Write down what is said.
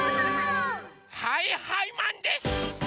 はいはいマンです！